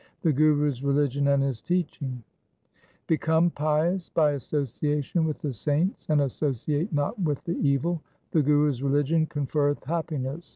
3 The Guru's religion and his teaching :— Become pious by association with the saints and associate not with the evil. The Guru's religion conferreth happiness.